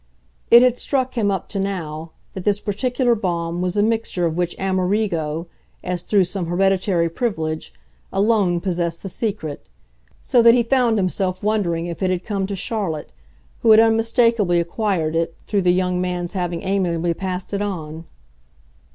It had struck him, up to now, that this particular balm was a mixture of which Amerigo, as through some hereditary privilege, alone possessed the secret; so that he found himself wondering if it had come to Charlotte, who had unmistakably acquired it, through the young man's having amiably passed it on.